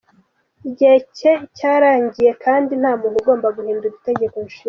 Igihe cye cyararangiye kandi nta muntu ugomba guhindura itegeko nshinga.